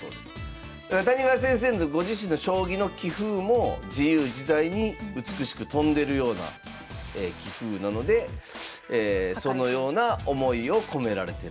谷川先生のご自身の将棋の棋風も自由自在に美しく飛んでるような棋風なのでそのような思いを込められてると。